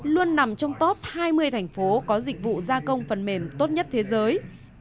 luôn nằm trong top hai mươi thành phố có dịch vụ gia công phần mềm tốt nhất thế giới